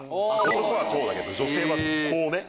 男はこうだけど女性はこうね。